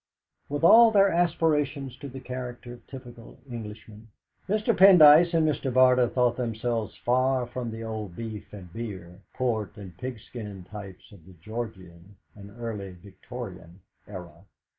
With all their aspirations to the character of typical Englishmen, Mr. Pendyce and Mr. Barter thought themselves far from the old beef and beer, port and pigskin types of the Georgian and early Victorian era.